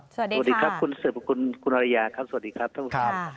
สวัสดีครับคุณสืบคุณอริยาครับสวัสดีครับท่านผู้ชมครับ